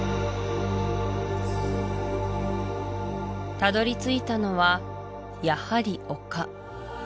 たどり着いたのはやはり丘